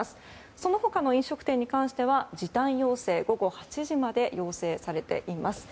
その他の飲食店に関しては時短要請午後８時まで要請されています。